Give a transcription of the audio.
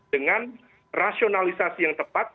dengan rasionalisasi yang tepat